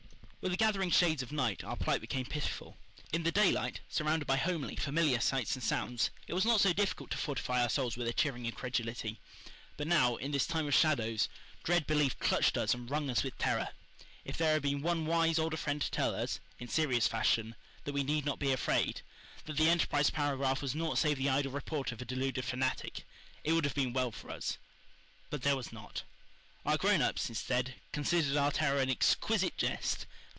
With the gathering shades of night our plight became pitiful. In the daylight, surrounded by homely, familiar sights and sounds, it was not so difficult to fortify our souls with a cheering incredulity. But now, in this time of shadows, dread belief clutched us and wrung us with terror. If there had been one wise older friend to tell us, in serious fashion, that we need not be afraid, that the Enterprise paragraph was naught save the idle report of a deluded fanatic, it would have been well for us. But there was not. Our grown ups, instead, considered our terror an exquisite jest.